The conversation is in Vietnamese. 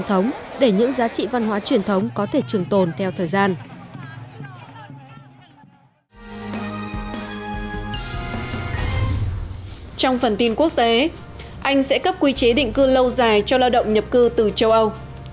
trong phần tin quốc tế anh sẽ cấp quy chế định cư lâu dài cho lao động nhập cư từ châu âu